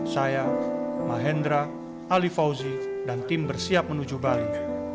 saya mahendra ali fauzi dan tim bersiap menuju bali